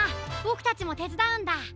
ボクたちもてつだうんだ。